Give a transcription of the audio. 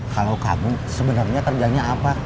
kalau kagum sebenarnya kerjanya apa